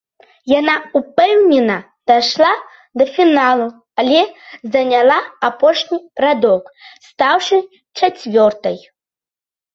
Яна ўпэўнена дайшла да фіналу, але заняла апошні радок, стаўшы чацвёртай.